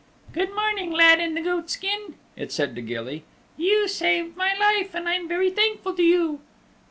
"Good morning, Lad in the Goatskin," it said to Gilly, "you saved my life and I'm very thankful to you."